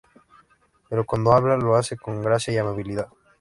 Pero cuando habla, lo hace con gracia y amabilidad".